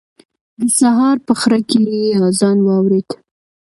د سهار په خړه کې يې اذان واورېد.